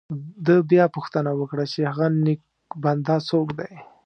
ده بیا پوښتنه وکړه چې هغه نیک بنده څوک دی.